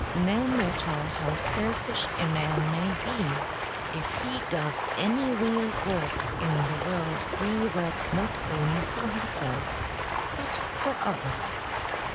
No matter how selfish a man may be, if he does any real work in the world he works not only for himself but for others.